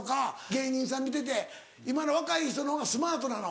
芸人さん見てて今の若い人の方がスマートなの？